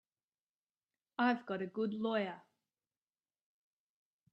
I've got a good lawyer.